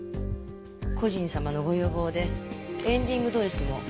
故人様のご要望でエンディングドレスも用意しました。